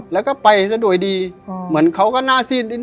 แล้วก็ไปสะดวยดีเหมือนเขาก็หน้าสิ้นนิดหน่อยอะ